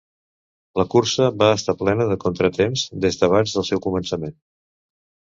La cursa va estar plena de contratemps des d'abans del seu començament.